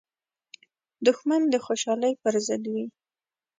دښمن د خوشحالۍ پر ضد وي